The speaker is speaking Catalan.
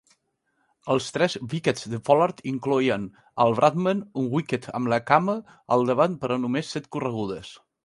Els tres wickets de Pollard incloïen el Bradman, un wicket amb la cama al davant per a només set corregudes.